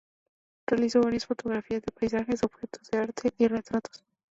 Realizó varias fotografías de paisajes, objetos de arte y retratos.